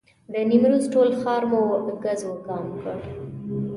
د نیمروز ټول ښار مو ګز وګام کړ.